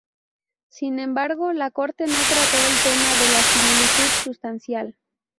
Sin embargo, la corte no trató el tema de la similitud sustancial.